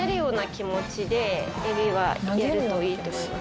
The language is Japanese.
エビはやるといいと思います。